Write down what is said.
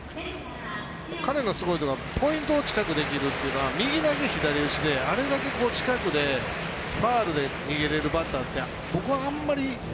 彼のすごいところはポイントを近くできるというのは右投げ左打ちで、あれだけ近くでファウルで逃げれるバッターって僕はあんまり。